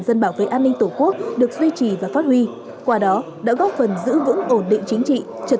dân bảo vệ an ninh tổ quốc được duy trì và phát huy qua đó đã góp phần giữ vững ổn định chính trị trật